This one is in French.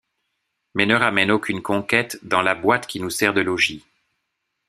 mais ne ramène aucune conquête dans la boite qui nous sert de logis.